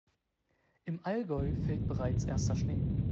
Im Allgäu fällt bereits erster Schnee.